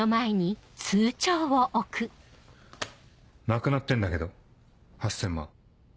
なくなってんだけど８０００万。